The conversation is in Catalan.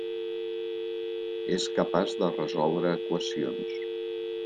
És capaç de resoldre equacions.